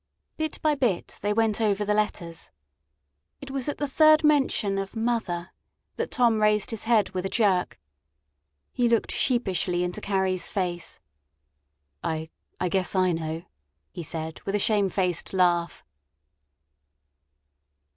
Bit by bit they went over the letters. It was at the third mention of "mother" that Tom raised his head with a jerk. He looked sheepishly into Carrie's face. "I I guess I know," he said with a shame faced laugh.